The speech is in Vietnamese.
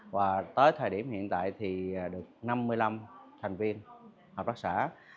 và tới thời điểm hiện tại thì được năm mươi năm thành viên hợp tác xã